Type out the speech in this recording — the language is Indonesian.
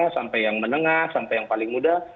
sampai yang menengah sampai yang paling muda